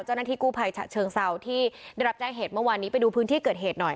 เจ้าหน้าที่กู้ภัยฉะเชิงเซาที่ได้รับแจ้งเหตุเมื่อวานนี้ไปดูพื้นที่เกิดเหตุหน่อย